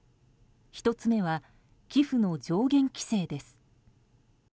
１つ目は寄付の上限規制です。